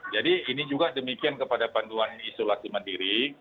jadi ini juga demikian kepada panduan isolasi mandiri